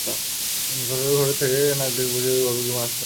ঘরর ঘরর করে নাক ডেকে বুঝিয়ে দিল, গভীর ঘুমে আচ্ছন্ন সে।